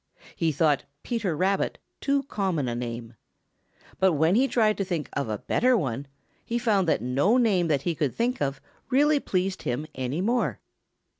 He thought Peter Rabbit too common a name. But when he tried to think of a better one, he found that no name that he could think of really pleased him any more.